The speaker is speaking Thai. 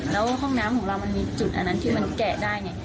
แล้วห้องน้ำมีจุดอันนั้นที่มันแกะได้